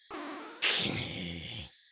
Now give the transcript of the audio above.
くっ。